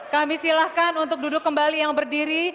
kami silahkan untuk duduk kembali yang berdiri